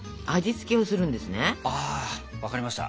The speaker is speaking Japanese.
分かりました。